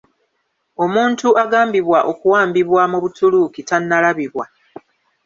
Omuntu agambibwa okuwambibwa mu Butuluki tannalabibwa.